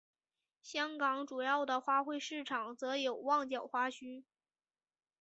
香港主要的花卉市场则有旺角花墟。